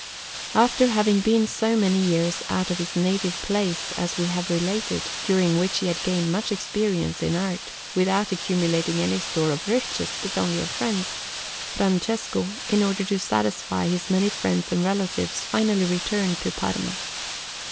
After having been so many years out of his native place, as we have related, during which he had gained much experience in art, without accumulating any store of riches, but only of friends, Francesco, in order to satisfy his many friends and relatives, finally returned to Parma.